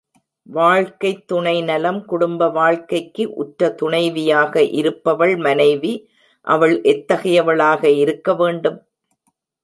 வாழ்க்கைத் துணைநலம் குடும்ப வாழ்க்கைக்கு உற்ற துணைவியாக இருப்பவள் மனைவி அவள் எத்தகையவளாக இருக்க வேண்டும்?